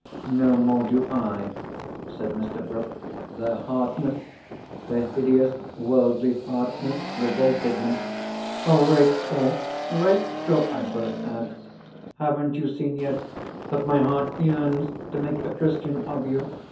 "No more do I," said Mr. Bruff. Their hardness—their hideous, worldly hardness—revolted me. "Oh, Rachel! Rachel!" I burst out. "Haven't you seen yet, that my heart yearns to make a Christian of you?